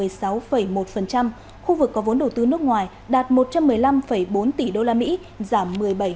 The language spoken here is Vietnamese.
trong đó khu vực có vốn đầu tư nước ngoài đạt một trăm một mươi năm bốn tỷ đô la mỹ giảm một mươi bảy bảy